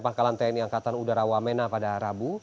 pangkalan tni angkatan udara wamena pada rabu